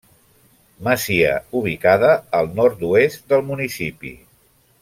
Masia ubicada al nord-oest del municipi.